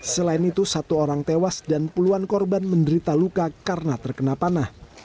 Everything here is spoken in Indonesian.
selain itu satu orang tewas dan puluhan korban menderita luka karena terkena panah